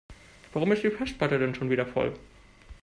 Warum ist die Festplatte denn schon wieder voll?